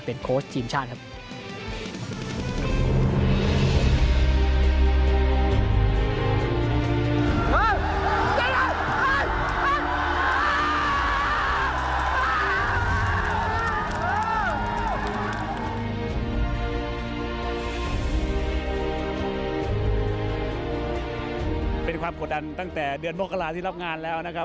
เป็นความกดดันตั้งแต่เดือนโมคราที่รับงานแล้วนะครับ